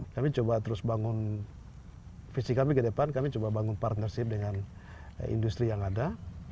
kami coba terus bangun visi kami ke depan kami coba bangun partnership dengan industri yang ada